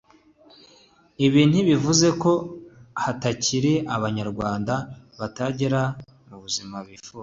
Ibi ntibivuze ko hatakiri Abanyarwanda bataragera ku buzima bifuza